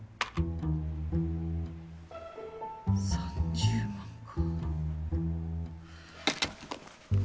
３０万か。